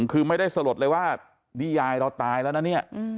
คือไม่ได้สลดเลยว่านี่ยายเราตายแล้วนะเนี่ย